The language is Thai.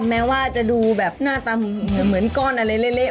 แม้ว่าจะดูแบบหน้าตำเหมือนก้อนอะไรเละ